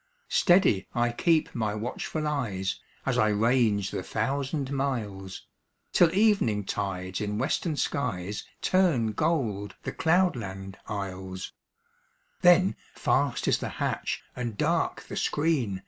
Steady I keep my watchful eyes, As I range the thousand miles. Till evening tides in western skies Turn gold the cloudland isles; Then fast is the hatch and dark the screen.